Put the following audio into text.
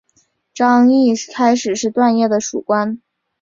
张骘开始是段业的属官。